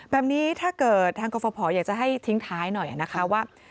แบบนี้ถ้าเกิดทางกรฟภอยากจะให้ทิ้งท้ายหน่อยนะคะว่า